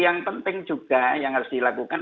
yang penting juga yang harus dilakukan